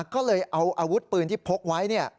ก็เลยเอาอาวุธปืนที่พกไว้